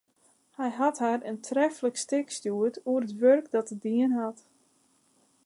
Hy hat har in treflik stik stjoerd oer it wurk dat er dien hat.